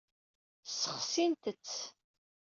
Ssexsint-tt.